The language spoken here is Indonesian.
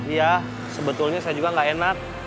iya sebetulnya saya juga gak enak